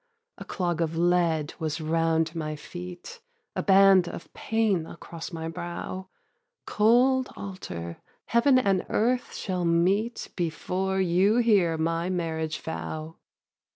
A clog of lead was round my feet, A band of pain across my brow; 'Cold altar, Heaven and earth shall meet Before you hear my marriage vow.'